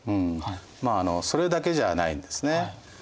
まあそれだけじゃないんですね。